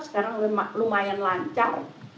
sekarang lumayan lancar